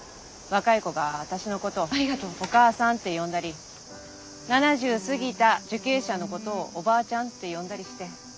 若い子が私のことを「おかあさん」って呼んだり７０過ぎた受刑者のことを「おばあちゃん」って呼んだりして。